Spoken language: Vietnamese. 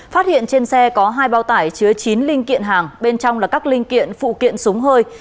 phát hiện trên xe có hai bao tải chứa chín linh kiện hàng bên trong là các linh kiện phụ kiện súng hơi